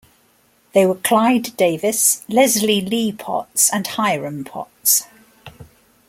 They were Clyde Davis, Leslie Lee Potts, and Hiram Potts.